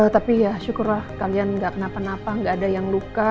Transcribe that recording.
tapi ya syukurlah kalian nggak kenapa napa nggak ada yang luka